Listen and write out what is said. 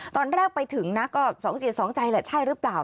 ตอนแรกไปถึงนะก็สองเสียสองใจแหละใช่หรือเปล่า